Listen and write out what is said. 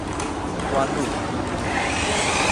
梓官路